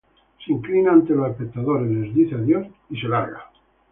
Se inclina ante los espectadores, les dice adiós y se va.